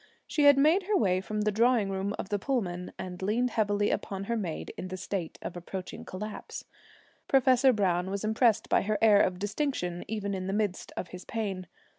She had made her way from the drawing room of the Pullman, and leaned heavily upon her maid, in a state approaching collapse. Professor Browne was impressed by her air of distinction even in the midst of his pain.